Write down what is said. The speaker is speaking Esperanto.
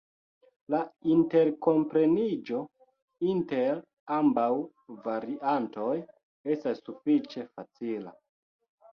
La interkompreniĝo inter ambaŭ variantoj estas sufiĉe facila.